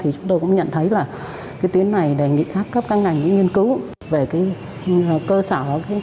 chúng tôi cũng nhận thấy tuyến này đề nghị các căn ngành nghiên cứu về cơ sở